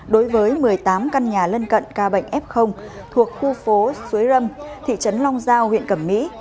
đối với một mươi tám căn nhà lân cận ca bệnh f thuộc khu phố suối râm thị trấn long giao huyện cẩm mỹ